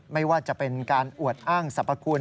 ไม่ว่าจะเป็นการอวดอ้างสรรพคุณ